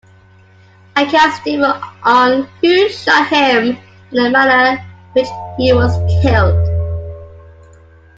Accounts differ on who shot him and the manner in which he was killed.